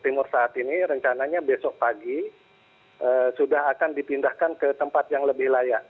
timur saat ini rencananya besok pagi sudah akan dipindahkan ke tempat yang lebih layak